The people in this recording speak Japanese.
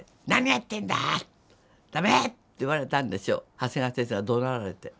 長谷川先生がどなられて。